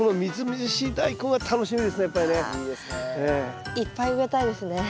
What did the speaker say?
いっぱい植えたいですね。